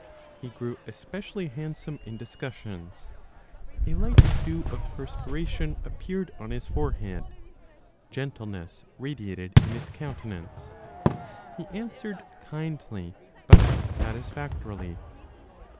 He grew especially handsome in discussions; a light dew of perspiration appeared on his forehead, gentleness radiated in his countenance, he answered kindly, but satisfactorily.